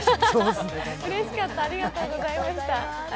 うれしかった、ありがとうございました。